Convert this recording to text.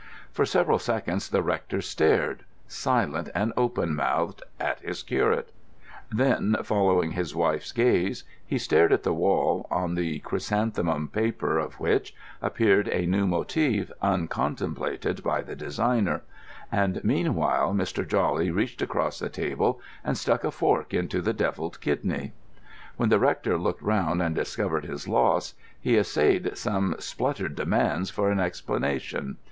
For several seconds the rector stared, silent and open mouthed, at his curate; then, following his wife's gaze, he stared at the wall, on the chrysanthemum paper of which appeared a new motive uncontemplated by the designer. And meanwhile, Mr. Jawley reached across the table and stuck a fork into the devilled kidney. When the rector looked round and discovered his loss, he essayed some spluttered demands for an explanation.